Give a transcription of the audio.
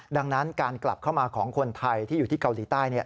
ดังนั้นการกลับเข้ามาของคนไทยที่อยู่ที่เกาหลีใต้